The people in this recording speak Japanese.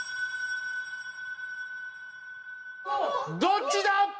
どっちだ？